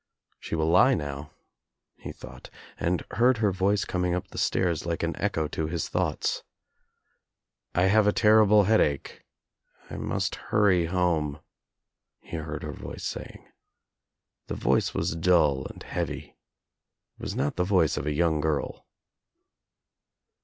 "She will lie now," he thought, and heard her voice coming up the stairs like an echo to his thoughts. "I have a terrible headache. I must hurry home," he heard her voice saying. The voice was dull and heavy. It was not the voice of a young girl.